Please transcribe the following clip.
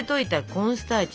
コーンスターチ。